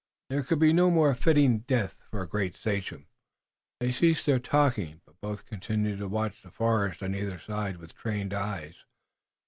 There could be no more fitting death for a great sachem." They ceased talking, but both continued to watch the forest on either side with trained eyes.